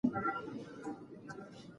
صله رحمي عمر زیاتوي.